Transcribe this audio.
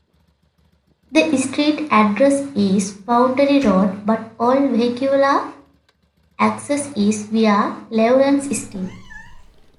The street address is Boundary Road, but all vehicular access is via Laurence Street.